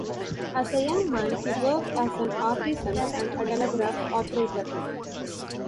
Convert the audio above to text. As a young man he worked as an artisan and a telegraph operator.